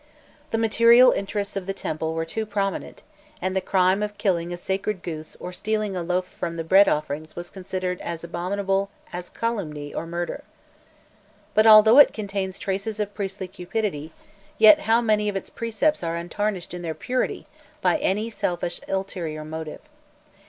The material interests of the temple were too prominent, and the crime of killing a sacred goose or stealing a loaf from the bread offerings was considered as abominable as calumny or murder. But although it contains traces of priestly cupidity, yet how many of its precepts are untarnished in their purity by any selfish ulterior motive!